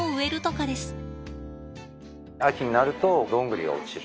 秋になるとどんぐりが落ちると。